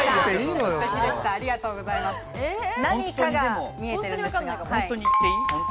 何かが見えてるんですが。